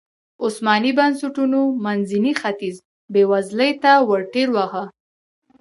عثماني بنسټونو منځنی ختیځ بېوزلۍ ته ورټېل واهه.